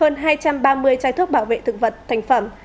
ba mươi chai thuốc bảo vệ thực vật thành phẩm